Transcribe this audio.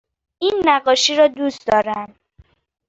این نقاشی را دوست دارم.